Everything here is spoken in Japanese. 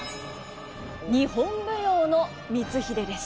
日本舞踊の「光秀」です。